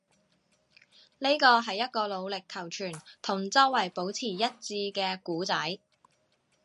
呢個係一個努力求存，同周圍保持一致嘅故仔